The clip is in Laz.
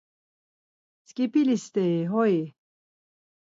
Sǩip̌ili st̆eri hoi?